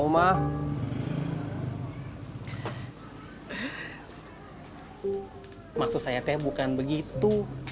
maksud saya teh bukan begitu